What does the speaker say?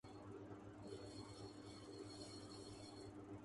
صرف اس کی فکر کریں کہ خدا آپ کے بارے میں کیا سوچتا ہے۔